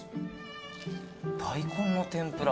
大根の天ぷら。